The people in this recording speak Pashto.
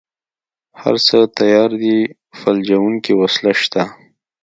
هره څه تيار دي فلجوونکې وسله شته.